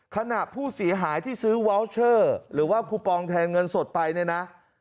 ขณะผู้เสียหายที่ซื้อวาวเชอร์หรือว่าคูปองแทนเงินสดไปเนี่ยนะ